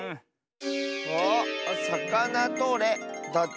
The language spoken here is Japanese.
あっ「さかなとれ」だって。